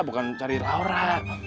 bukan cari laura